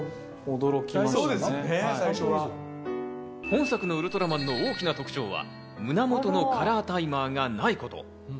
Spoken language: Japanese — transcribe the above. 本作のウルトラマンの大きな特徴は、胸元のカラータイマーがないこと。